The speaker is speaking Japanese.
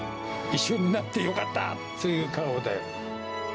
一緒になってよかった、そういう顔だよ。